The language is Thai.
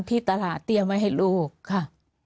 ที่ตลาดเตรียมไว้ให้ลูกค่ะ